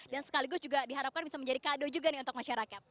dan sekaligus juga diharapkan bisa menjadi kado juga nih untuk masyarakat